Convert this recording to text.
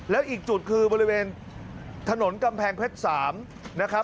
แล้วอีกจุดคือบริเวณถนนกำแพงเพชร๓นะครับ